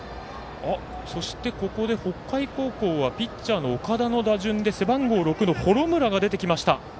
そして、ここで北海高校はピッチャーの岡田の打順で背番号６の幌村が出てきました。